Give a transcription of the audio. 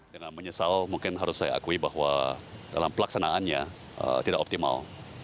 dengan menyesal mungkin harus saya akui bahwa dalam pelaksanaannya tidak optimal